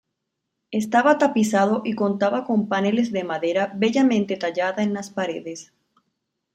Estaba tapizado y contaba con paneles de madera bellamente tallada en las paredes.